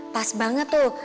pas banget tuh